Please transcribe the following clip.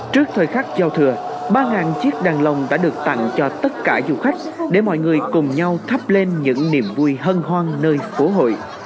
trước thời khắc giao thừa ba chiếc đàn lồng đã được tặng cho tất cả du khách để mọi người cùng nhau thắp lên những niềm vui hân hoan nơi phố hội